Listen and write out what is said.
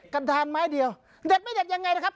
กันทานไม้เดียวเด็ดไม่เด็ดยังไงนะครับ